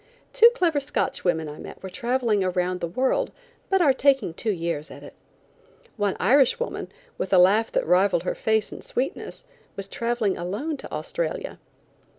Two clever Scotch women I met were traveling around the world, but are taking two years at it. One Irishwoman, with a laugh that rivaled her face in sweetness, was traveling alone to Australia.